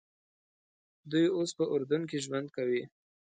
دوی اوس په اردن کې ژوند کوي.